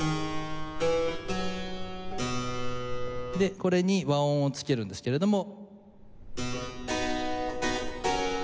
でこれに和音をつけるんですけれども。